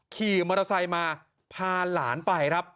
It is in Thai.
ขี่มอเตอร์ไซต์มาพาหลานไป